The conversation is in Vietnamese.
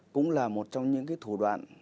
cũng là một trong những thủ đoạn